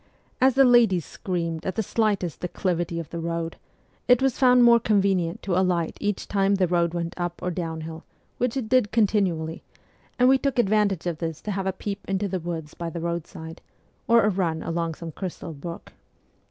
As the ladies screamed at the slightest declivity of the road, it was found more convenient to alight each time the road went up or down hill, which it did continually, and we took advantage of this to have a peep into the woods by the roadside, or a run along some crystal brook.